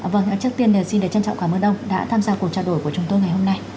vâng trước tiên xin được trân trọng cảm ơn ông đã tham gia cuộc trao đổi của chúng tôi ngày hôm nay